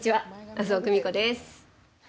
麻生久美子です。